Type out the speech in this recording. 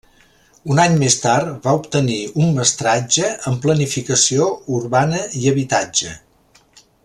Un any més tard va obtenir un mestratge en planificació urbana i habitatge.